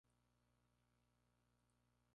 Es una región con una elevada afluencia de turistas.